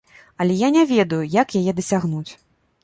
Але я не ведаю, як яе дасягнуць.